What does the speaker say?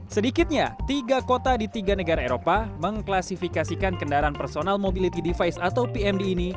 sedikitnya tiga kota di tiga negara eropa mengklasifikasikan kendaraan personal mobility device atau pmd ini